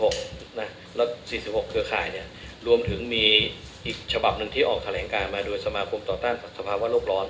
ตาม๔๖เกอร์ข่ายรวมถึงมีอีกฉบับหนึ่งที่ออกแถวแหลงการมาด้วยสมาคมต่อต้านภาพว่าโรคร้อน